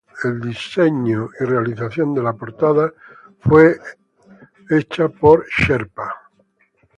El diseño y realización de la portada fue realizada por Sherpa.